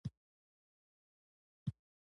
د بورې د تولید لپاره د ګنیو کروندو کې استخدام و.